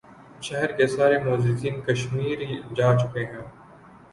شہر کے سارے معززین کشمیر جا چکے ہیں۔